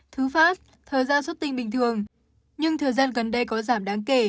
thứ phát thời gian xuất tinh bình thường nhưng thời gian gần đây có giảm đáng kể